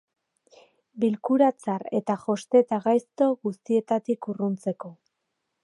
Bilkura tzar eta josteta gaizto guztietatik urruntzeko.